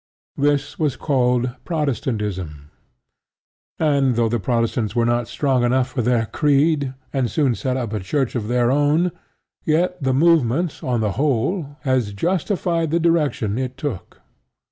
This was called Protestantism; and though the Protestants were not strong enough for their creed, and soon set up a Church of their own, yet the movement, on the whole, has justified the direction it took.